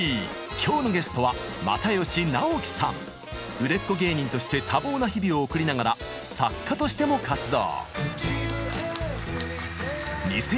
今日のゲストは売れっ子芸人として多忙な日々を送りながら作家としても活動。